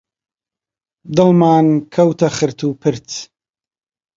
دڵمان کەوتە خرت و پرت